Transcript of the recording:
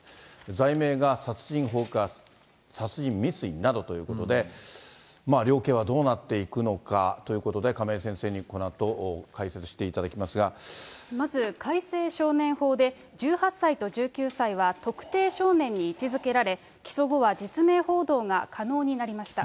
罪名が殺人放火、殺人未遂などということで、量刑どうなっていくのかということで、亀井先生にこのあと、まず、改正少年法で１８歳と１９歳は特定少年に位置づけられ、起訴後は実名報道が可能になりました。